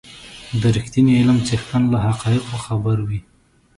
د رښتيني علم څښتن له حقایقو خبر وي.